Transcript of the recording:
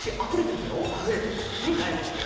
あかいもので。